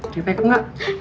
gimana pak ikut gak